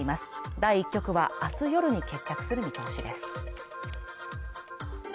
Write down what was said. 第１局はあす夜に決着する見通しです